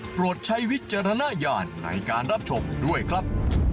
ใช้วิจารณญาณในการรับชมด้วยครับ